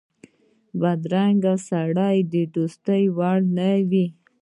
بدرنګه سړی د دوستۍ وړ نه وي